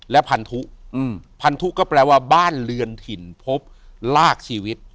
และพันธุพันธุก็แปลว่าบ้านเรือนถิ่นพบลากชีวิต